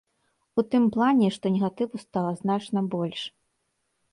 У тым плане, што негатыву стала значна больш.